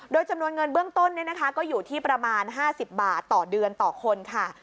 โดยจำนวนเงินเบื้องต้นก็อยู่ที่ประมาณ๕๐บาทต่อเดือนต่อคนค่ะ